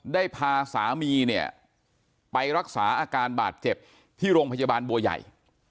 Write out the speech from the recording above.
ได้พาสามีเนี่ยไปรักษาอาการบาดเจ็บที่โรงพยาบาลบัวใหญ่